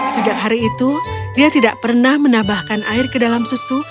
sejak hari itu dia tidak pernah menambahkan air ke dalam susu